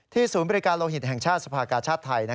ศูนย์บริการโลหิตแห่งชาติสภากาชาติไทย